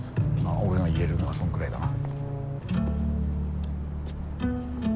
あ俺が言えるのはそんくらいだな。